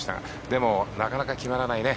でもなかなか決まらないね。